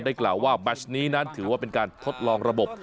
กล่าวว่าแมชนี้นั้นถือว่าเป็นการทดลองระบบ